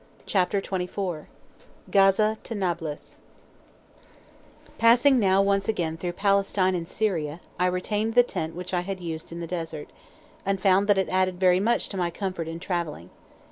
CHAPTER XXIV—GAZA TO NABLUS Passing now once again through Palestine and Syria I retained the tent which I had used in the Desert, and found that it added very much to my comfort in travelling.